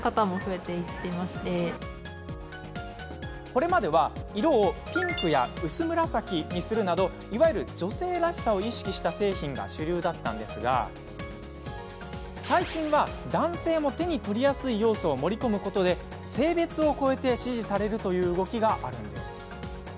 これまでは色をピンクや薄紫にするなどいわゆる女性らしさを意識した製品が主流でしたが最近は、男性も手に取りやすい要素を盛り込むことで性別を超えて支持されるという動きがあるんです。